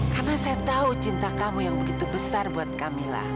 karena saya tau cinta kamu yang begitu besar buat kamila